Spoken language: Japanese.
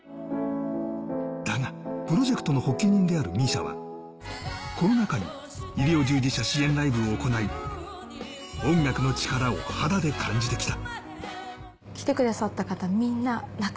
だがプロジェクトの発起人であるＭＩＳＩＡは、コロナ禍に医療従事者支援ライブを行い、音楽の力を肌で感じてきた。